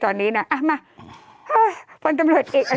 โทษทีน้องโทษทีน้อง